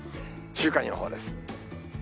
週間予報です。